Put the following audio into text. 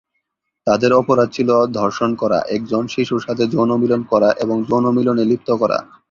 তাদের অপরাধ ছিল ধর্ষণ করা, একজন শিশুর সাথে যৌন মিলন করা এবং যৌন মিলনে লিপ্ত করা।